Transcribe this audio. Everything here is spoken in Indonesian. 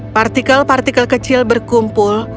partikel partikel kecil berkumpul